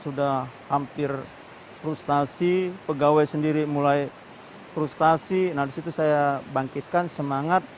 sudah hampir frustasi pegawai sendiri mulai frustasi nah disitu saya bangkitkan semangat